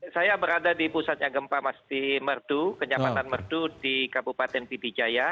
saya berada di pusatnya gempa mas timerdu kenyamanan merdu di kabupaten pdijaya